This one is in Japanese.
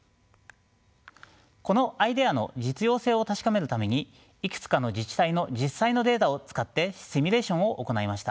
このアイデアの実用性を確かめるためにいくつかの自治体の実際のデータを使ってシミュレーションを行いました。